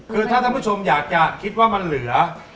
คือถ้าท่านผู้ชมอยากจะคิดว่ามันเหลือ